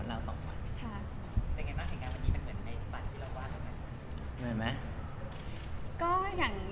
อย่างที่เราคุยกันตั้งแต่แรกค่ะ